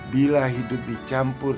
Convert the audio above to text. bila hidup dicampur